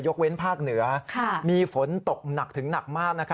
เว้นภาคเหนือมีฝนตกหนักถึงหนักมาก